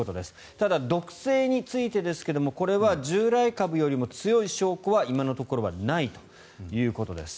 ただ、毒性についてですがこれは従来株よりも強い証拠は今のところはないということです。